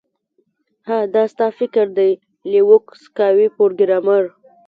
ها دا ستا فکر دی لیوک سکای پروګرامر